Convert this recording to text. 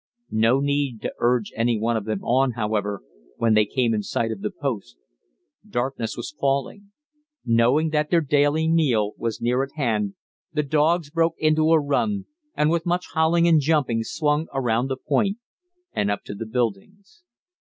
No need to urge any one of them on, however, when they came in sight of the post. Darkness was falling. Knowing that their daily meal was near at hand, the dogs broke into a run, and with much howling and jumping swung around the point and up to the buildings.